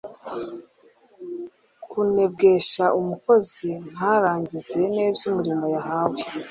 kunebwesha umukozi ntarangize neza umurimo yahawe.